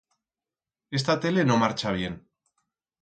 Esta tele no marcha bien.